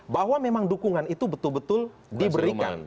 bahwa memang dukungan itu betul betul diberikan